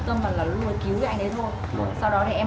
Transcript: không nói nào còn em